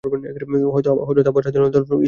হযরত Abbas রাযিয়াল্লাহু আনহু ইসলাম গ্রহণ করেন।